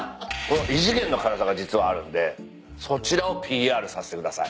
異次元の辛さが実はあるんでそちらをＰＲさせてください。